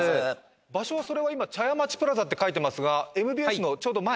場所はそれは今ちゃやまちプラザって書いてますがＭＢＳのちょうど前？